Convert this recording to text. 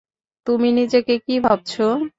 তুমি নিজেকে কী ভাবছ?